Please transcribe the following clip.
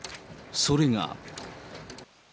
それが。